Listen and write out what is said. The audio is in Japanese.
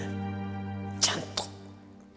ちゃんと